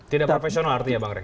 tidak profesional artinya bang rey